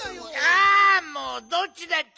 あもうどっちだっちゃ！